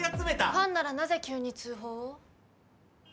ファンならなぜ急に通報を？